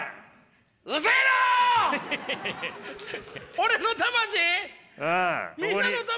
俺の魂！？